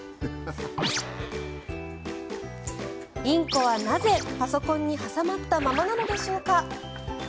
インコはなぜ、パソコンに挟まったままなのでしょうか。